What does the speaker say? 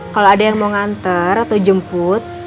kalau ada yang mau nganter atau jemput